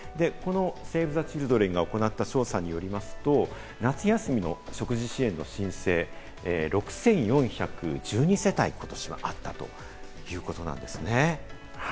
セーブ・ザ・チルドレンが行った調査によりますと、夏休みの食事支援の申請、６４１２世帯、ことしはあったということなんですね。